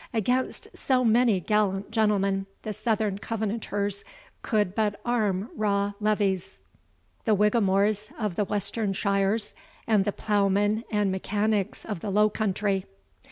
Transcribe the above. Against so many gallant gentlemen the southern Covenanters could but arm raw levies; the Whigamores of the western shires, and the ploughmen and mechanics of the Low country.